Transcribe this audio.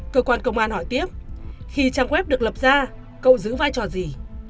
cơ quan công an hỏi tiếp khi trang web được lập ra cậu giữ vai trò gì